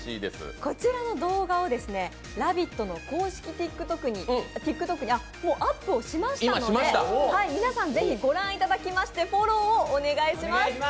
こちらの動画を「ラヴィット！」の公式ＴｉｋＴｏｋにもう、アップをしましたので、皆さん、ぜひご覧いただきましてフォローをお願いします。